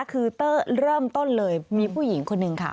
คือเริ่มต้นเลยมีผู้หญิงคนหนึ่งค่ะ